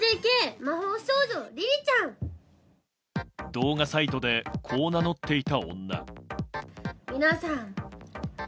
動画サイトでこう名乗っていた女。